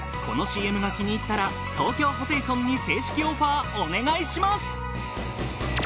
このＣＭが気に入ったら東京ホテイソンに正式オファーお願いします！